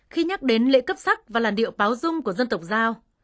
khi nhắc đến lễ cấp sắc và làn điệu báo dung của dân tộc giao